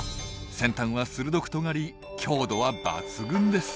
先端は鋭くとがり強度は抜群です。